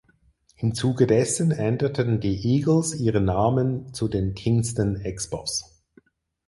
Im Zuge dessen änderten die Eagles ihren Namen zu den Kinston Expos.